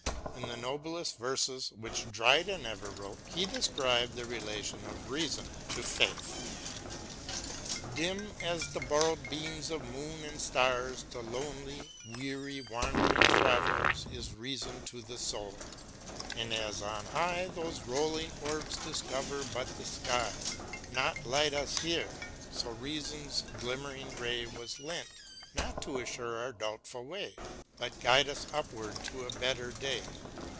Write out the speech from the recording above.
In the noblest verses which Dryden ever wrote he described the relation of reason to faith : Dim as the borrow'd beams of moon and stars To lonely, weary wandering travellers Is Reason to the soul : and as on high Those rolling orbs discover but the sky, Not light us here, so Reason's glimmering ray Was lent not to assure our doubtful way, But guide us upward to a better day.